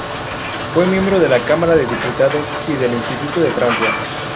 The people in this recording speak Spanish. Fue miembro de la Cámara de Diputados y del Instituto de Francia.